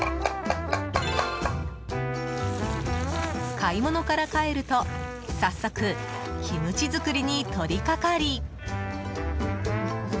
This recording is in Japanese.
買い物から帰ると早速、キムチ作りに取りかかり。